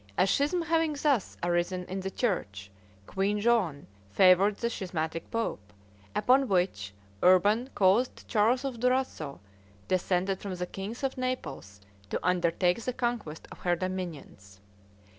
A schism having thus arisen in the church, Queen Joan favored the schismatic pope, upon which Urban caused Charles of Durazzo, descended from the kings of Naples, to undertake the conquest of her dominions.